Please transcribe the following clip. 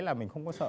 là mình không có sợ